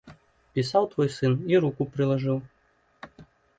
Пісаў твой сын і руку прылажыў.